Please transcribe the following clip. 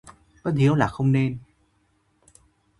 Bất hiếu là không nên